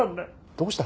どうした？